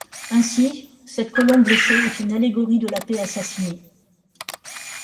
Ainsi, cette colombe blessée est une allégorie de la paix assassinée.